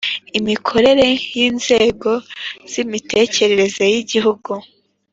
imikorere y Inzego z Imitegekere y Igihugu